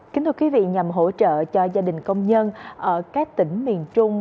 kính thưa quý vị nhằm hỗ trợ cho gia đình công nhân ở các tỉnh miền trung